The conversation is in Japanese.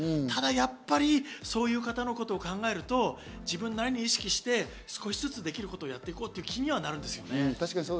ただやっぱりそういう方のことを考えると自分なりに意識して少しずつできることをやって行こうという気にはなるんですね。